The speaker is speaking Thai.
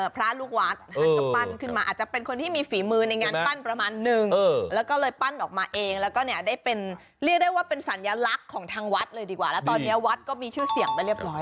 พระลูกวัดท่านก็ปั้นขึ้นมาอาจจะเป็นคนที่มีฝีมือในงานปั้นประมาณหนึ่ง